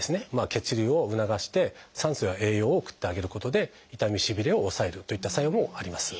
血流を促して酸素や栄養を送ってあげることで痛みしびれを抑えるといった作用もあります。